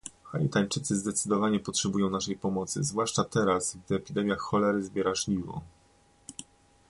Haitańczycy zdecydowanie potrzebują naszej pomocy, zwłaszcza teraz, gdy epidemia cholery zbiera żniwo